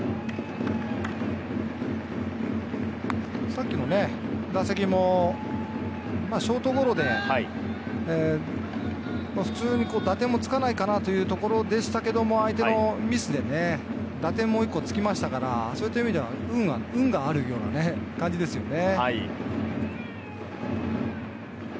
さっきの打席もショートゴロで、普通に打点もつかないかなというところでしたけども、相手のミスでね、打点も１個つきましたから、そういった意味では運があるような感じですよね。